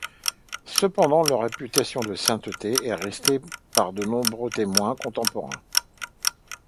Cependant leur réputation de sainteté est attestée par de nombreux témoins contemporains.